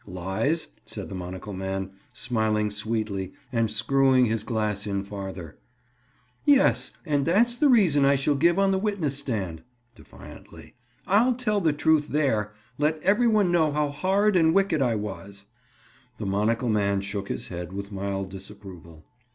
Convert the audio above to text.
"Lies?" said the monocle man, smiling sweetly and screwing his glass in farther. "Yes, and that's the reason I shall give on the witness stand." Defiantly. "I'll tell the truth there—let every one know how horrid and wicked I was." The monocle man shook his head with mild disapproval.